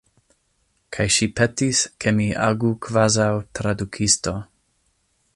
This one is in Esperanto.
Kaj ŝi petis, ke mi agu kvazaŭ tradukisto.